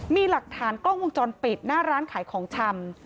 มีหลักฐานกล้องวงจรปิดหน้าร้านขายของชำ